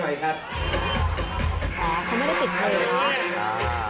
เขาไม่ได้ผิดเผาเลยคะ